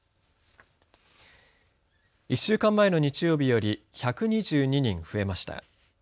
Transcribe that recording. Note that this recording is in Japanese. １週間前の日曜日より１２２人増えました。